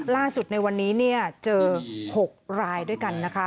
ล่าสุดในวันนี้เจอ๖รายด้วยกัน